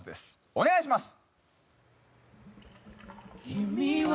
お願いします！